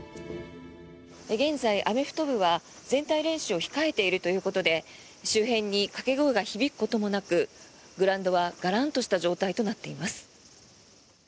現在、アメフト部は全体練習を控えているということで周辺に掛け声が響くこともなくグラウンドはがらんとした状態となっています。